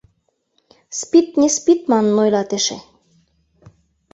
СПИД не спит манын ойлат эше.